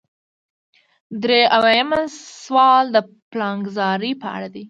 درې اویایم سوال د پلانګذارۍ په اړه دی.